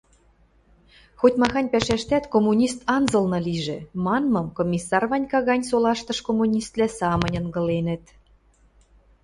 «Хоть-махань пӓшӓштӓт коммунист анзылны лижӹ» манмым Комиссар Ванька гань солаштыш коммуниствлӓ самынь ынгыленӹт